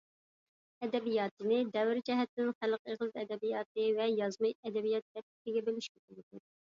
ئەدەبىياتىنى دەۋر جەھەتتىن خەلق ئېغىز ئەدەبىياتى ۋە يازما ئەدەبىيات دەپ ئىككىگە بۆلۈشكە بولىدۇ.